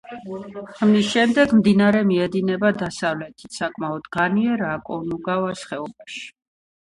ამის შემდეგ, მდინარე მიედინება დასავლეთით, საკმაოდ განიერ აკონკაგუას ხეობაში.